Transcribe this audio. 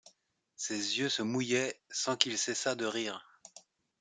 Ses yeux se mouillaient, sans qu’il cessât de rire.